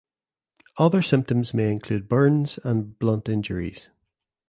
Other symptoms may include burns and blunt injuries.